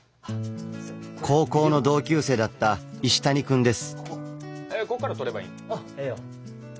高校の同級生だった石谷くんです。